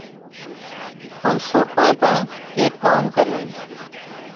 هانَ سوڪرانئين پڻ ايڪ ڪام ڪريون